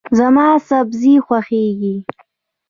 زما سبزي خوښیږي.